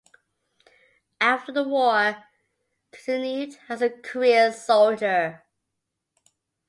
After the war, continued as a career soldier.